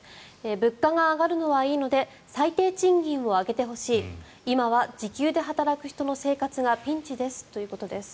物価が上がるのはいいので最低賃金を上げてほしい今は時給で働く人の生活がピンチですということです。